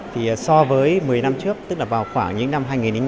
thì so với một mươi năm trước tức là vào khoảng những năm hai nghìn hai